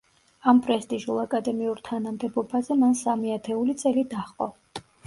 ამ პრესტიჟულ აკადემიურ თანამდებობაზე მან სამი ათეული წელი დაჰყო.